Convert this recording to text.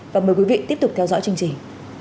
và mời quý vị tiếp tục theo dõi chương trình